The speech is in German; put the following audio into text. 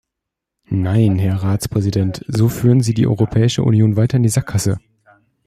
Nein, Herr Ratspräsident, so führen Sie die Europäische Union weiter in die Sackgasse!